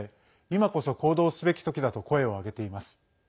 今こそ行動すべきときだと声を上げています。